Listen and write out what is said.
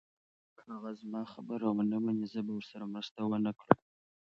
که هغه زما خبره ونه مني، زه به ورسره مرسته ونه کړم.